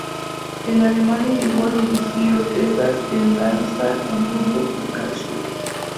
En Alemania llegó a dirigir orquestas en Darmstadt, Hamburgo y Karlsruhe.